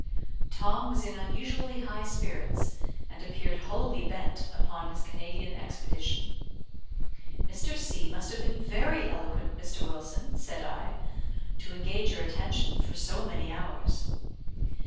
Tom was in unusually high spirits, and appeared wholly bent upon his Canadian expedition. "Mr. C must have been very eloquent, Mr. Wilson," said I, "to engage your attention for so many hours."